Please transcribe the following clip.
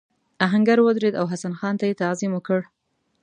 آهنګر ودرېد او حسن خان ته یې تعظیم وکړ.